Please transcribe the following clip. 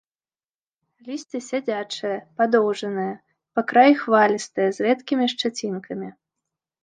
Лісце сядзячае, падоўжанае, па краі хвалістае, з рэдкімі шчацінкамі.